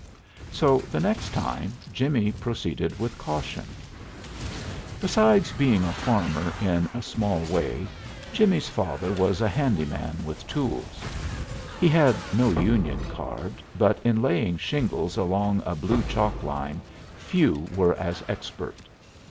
So, the next time Jimmie proceeded with caution. Besides being a farmer in a small way, Jimmie's father was a handy man with tools. He had no union card, but, in laying shingles along a blue chalk line, few were as expert.